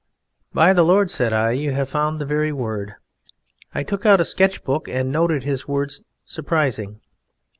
"By the Lord," said I, "'you have found the very word!" I took out a sketch book and noted his word "surprising."